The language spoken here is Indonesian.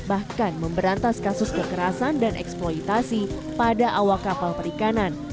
bahkan memberantas kasus kekerasan dan eksploitasi pada awak kapal perikanan